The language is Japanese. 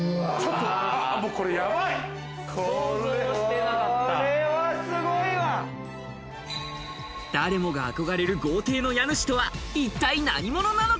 あなたも誰もが憧れる豪邸の家主とは、一体何者なのか？